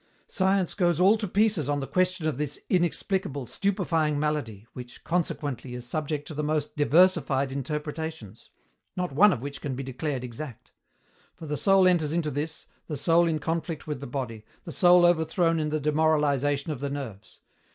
Science goes all to pieces on the question of this inexplicable, stupefying malady, which, consequently, is subject to the most diversified interpretations, not one of which can be declared exact. For the soul enters into this, the soul in conflict with the body, the soul overthrown in the demoralization of the nerves.